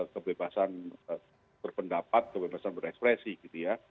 kebebasan berpendapat kebebasan berekspresi gitu ya